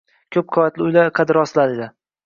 Koʻp qavatli uylar qad rostlaydi